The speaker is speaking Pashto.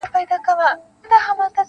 کله دې خوا کله ها خوا په ځغستا سو -